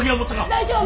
大丈夫！